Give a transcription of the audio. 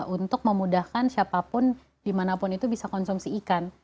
untuk memudahkan siapapun dimanapun itu bisa konsumsi ikan